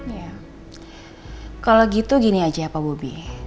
iya kalau begitu gini saja pak bobby